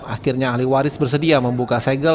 akhirnya ahli waris bersedia membuka segel